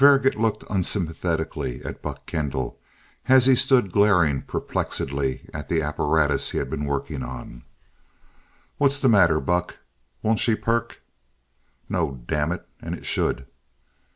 VII Faragaut looked unsympathetically at Buck Kendall, as he stood glaring perplexedly at the apparatus he had been working on. "What's the matter, Buck, won't she perk?" "No, damn it, and it should."